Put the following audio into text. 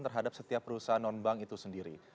terhadap setiap perusahaan non bank itu sendiri